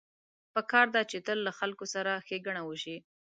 پکار ده چې تل له خلکو سره ښېګڼه وشي